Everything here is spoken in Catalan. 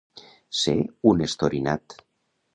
Ser un estorinat.